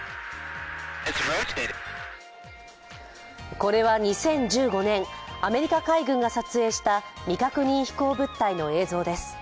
これは２０１５年、アメリカ海軍が撮影した未確認飛行物体の映像です。